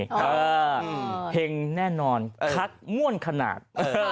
เพราะว่าเพลงแน่นอนคักม่วนขนาด